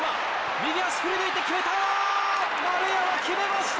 右足振り抜いて決めた！